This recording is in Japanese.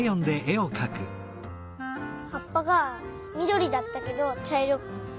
はっぱがみどりだったけどちゃいろくなってた。